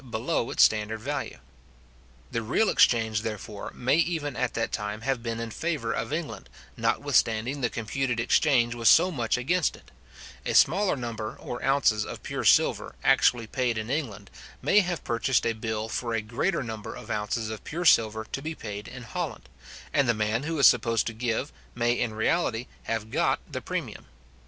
below its standard value. The real exchange, therefore, may even at that time have been in favour of England, notwithstanding the computed exchange was so much against it; a smaller number or ounces of pure silver, actually paid in England, may have purchased a bill for a greater number of ounces of pure silver to be paid in Holland, and the man who was supposed to give, may in reality have got the premium.